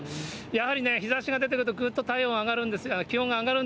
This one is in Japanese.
やはりね、日ざしが出てると、ぐっと気温が上がるんですよね。